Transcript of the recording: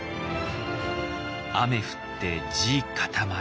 雨降って地固まる。